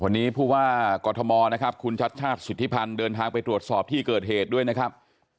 วันนี้ผู้ว่ากอทมนะครับคุณชัดชาติสิทธิพันธ์เดินทางไปตรวจสอบที่เกิดเหตุด้วยนะครับ